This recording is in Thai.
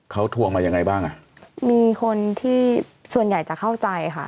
เขาทวงมายังไงบ้างอ่ะมีคนที่ส่วนใหญ่จะเข้าใจค่ะ